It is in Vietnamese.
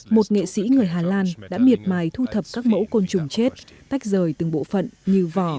một nghệ sĩ người hà lan đã miệt mài thu thập các mẫu côn trùng chết tách rời từng bộ phận như vỏ